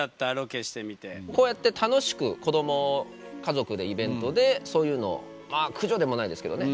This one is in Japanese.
こうやって楽しく子供家族でイベントでそういうのまあ駆除でもないですけどね